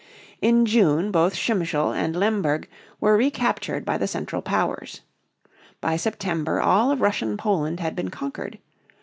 In June both Przemysl and Lemberg were recaptured by the Central Powers. By September all of Russian Poland had been conquered.